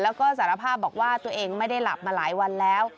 แล้วก็สารภาพบอกว่าตัวเองไม่ได้หลับมาหลายวันแล้ว